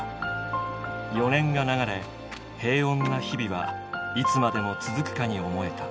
４年が流れ平穏な日々はいつまでも続くかに思えた。